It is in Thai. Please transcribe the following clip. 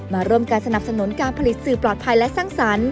มาร่วมการสนับสนุนการผลิตสื่อปลอดภัยและสร้างสรรค์